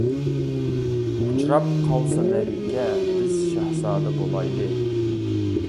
-ئۇچراپ قالسا مەلىكە، بىز شاھزادە بولايلى.